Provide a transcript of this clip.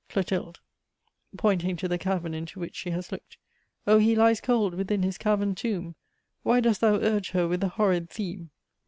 CLOTIL. (Pointing to the cavern into which she has looked) Oh he lies cold within his cavern tomb! Why dost thou urge her with the horrid theme?